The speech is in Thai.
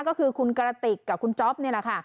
ก็คือคุณกระติกกับคุณจ๊อปนี่แหละค่ะ